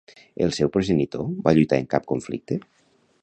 El seu progenitor va lluitar en cap conflicte?